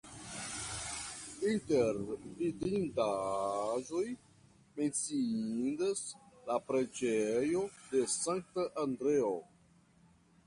Inter vidindaĵoj menciindas la preĝejo de Sankta Andreo.